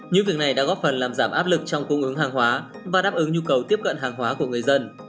những việc này đã góp phần làm giảm áp lực trong cung ứng hàng hóa và đáp ứng nhu cầu tiếp cận hàng hóa của người dân